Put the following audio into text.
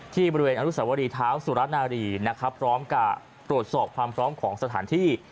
บริเวณอนุสวรีเท้าสุรนารีนะครับพร้อมกับตรวจสอบความพร้อมของสถานที่